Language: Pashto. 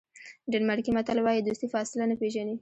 ډنمارکي متل وایي دوستي فاصله نه پیژني.